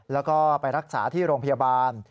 แล้วก็ไปรักษาที่โรงพยาบาล